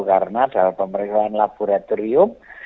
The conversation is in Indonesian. karena dalam pemeriksaan laboratorium